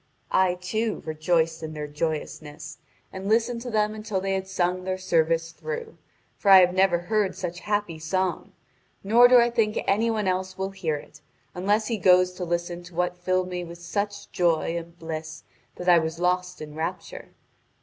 I, too, rejoiced in their joyousness, and listened to them until they had sung their service through, for I have never heard such happy song, nor do I think any one else will hear it, unless he goes to listen to what filled me with such joy and bliss that I was lost in rapture.